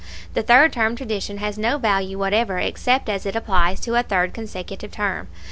The third term tradition has no value whatever except as it applies to a third consecutive term.